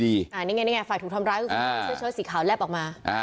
นี่ไงฝ่ายถูกทำร้ายก็คือเชื้อสีขาวแลบออกมา